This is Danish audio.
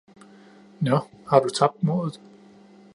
Nå, har du tabt modet!